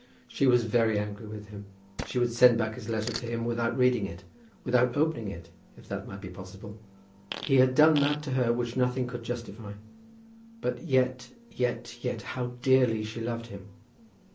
She was very angry with him. She would send back his letter to him without reading it, without opening it, if that might be possible. He had done that to her which nothing could justify. But yet, yet, yet how dearly she loved him!